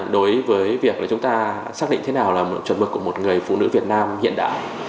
đối với việc chúng ta xác định thế nào là chuẩn mực của một người phụ nữ việt nam hiện đại